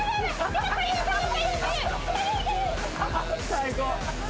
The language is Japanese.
最高！